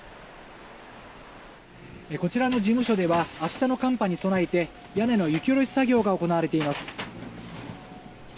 こちらの事務所では明日の寒波に備えて屋根の雪下ろし作業が行われています。